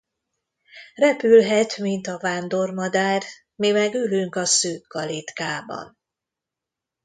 Repülhet, mint a vándormadár, mi meg ülünk a szűk kalitkában.